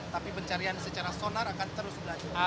tapi pencarian secara sonar akan terus berlanjut